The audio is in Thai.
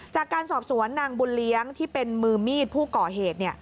จากการสอบสวนนางบุญเลี้ยงที่เป็นมือมีดผู้ก่อเหตุ